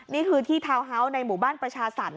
นี่คือที่ทาวน์ฮาส์ในหมู่บ้านประชาสัตว